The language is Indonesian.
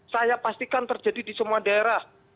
saya pastikan terjadi di semua daerah